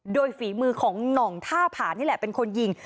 โดยฝีมือของหน่องท่าผานี่แหละเป็นคนยิง